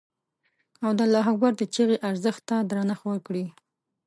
او د الله اکبر د چیغې ارزښت ته درنښت وکړي.